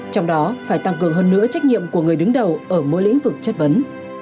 trong đó phải tăng cường hơn nữa trách nhiệm của người đứng đầu ở mỗi lĩnh vực chất vấn